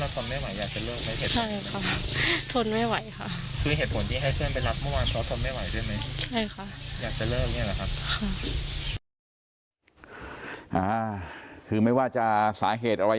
ทำให้เราทนไม่ไหวอยากจะเลิกไหม